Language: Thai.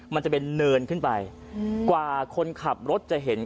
มันจะเป็นเนินขึ้นไปกว่าคนขับรถจะเห็น